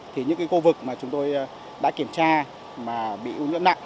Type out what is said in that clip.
thì những khu vực mà chúng tôi đã kiểm tra mà bị ưu nhẫn nặng